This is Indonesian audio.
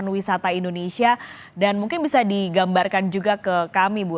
wisata indonesia dan mungkin bisa digambarkan juga ke kami bu